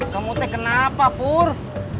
kamu teh kenapa purr